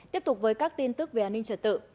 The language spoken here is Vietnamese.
tiếp tục với các tin tức về an ninh trật tự